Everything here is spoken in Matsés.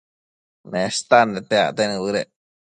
Nestan nete acte nibëdec